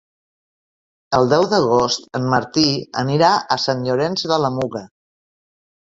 El deu d'agost en Martí anirà a Sant Llorenç de la Muga.